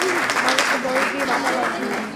মানুষকে বয়স দিয়ে মাপা হয়।